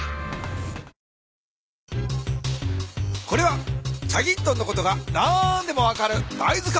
これは『チャギントン』のことが何でも分かるだい